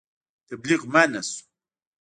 تبلیغ منع شو.